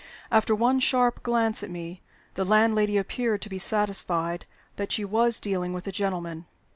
After one sharp glance at me, the landlady appeared to be satisfied that she was dealing with a gentleman.